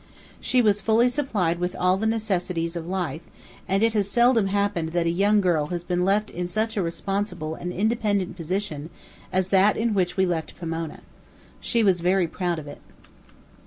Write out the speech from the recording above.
She was fully supplied with all the necessaries of life, and it has seldom happened that a young girl has been left in such a responsible and independent position as that in which we left Pomona. She was very proud of it.